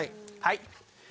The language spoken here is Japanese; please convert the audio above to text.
はい。